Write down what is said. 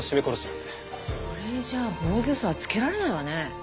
これじゃあ防御創はつけられないわね。